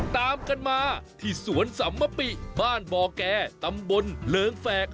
ตามกันมาที่สวนสัมมปิบ้านบ่อแก่ตำบลเริงแฝก